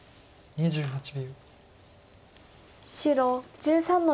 ２８秒。